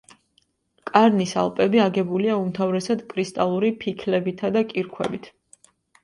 კარნის ალპები აგებულია უმთავრესად კრისტალური ფიქლებითა და კირქვებით.